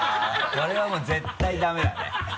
これはもう絶対ダメだね。